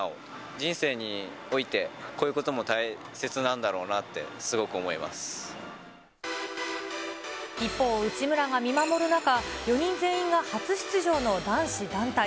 人生において、こういうことも大切なんだろうなって、すごく思い一方、内村が見守る中、４人全員が初出場の男子団体。